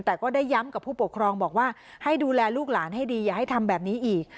แต่ก็ได้ย้ำกับผู้ปกครองบอกว่าให้ดูแลลูกหลานให้ดีอย่าให้ทำแบบนี้อีก